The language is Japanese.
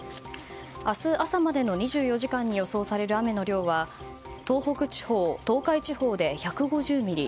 明日朝までの２４時間に予想される雨の量は東北地方、東海地方で１５０ミリ